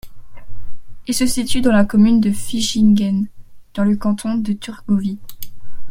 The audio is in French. Il se situe dans la commune de Fischingen, dans le canton de Thurgovie.